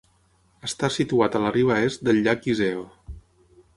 Està situat a la riba est del llac Iseo.